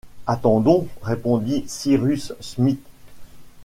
Attendons! répondit Cyrus Smith.